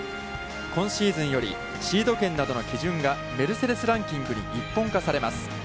今シーズンよりシード権などの基準が、メルセデス・ランキングに一本化されます。